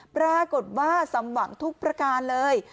ปรากฏว่าสมหวังทุกประการเลย